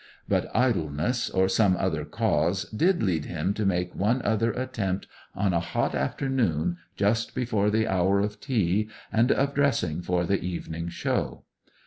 But idleness, or some other cause, did lead him to make one other attempt, on a hot afternoon, just before the hour of tea and of dressing for the evening show.